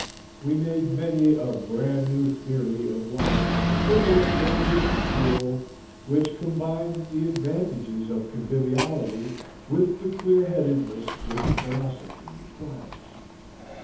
We made many a "bran new" theory of life over a thin dish of gruel, which combined the advantages of conviviality with the clear headedness which philosophy requires.